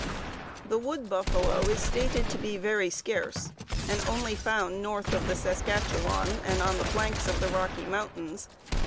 "The wood buffalo is stated to be very scarce, and only found north of the Saskatchewan and on the flanks of the Rocky Mountains.